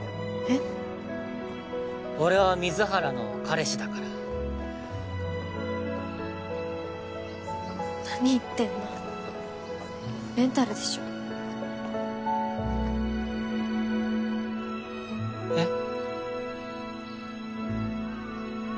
俺は水原の彼氏だから何言ってんのレンタルでしょえっ？